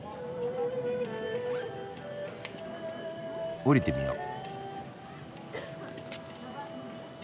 下りてみよう。